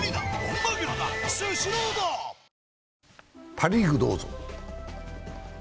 パ・リーグ、どうぞ。